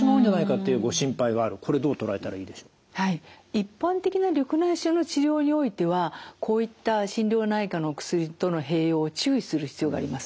一般的な緑内障の治療においてはこういった心療内科のお薬との併用を注意する必要があります。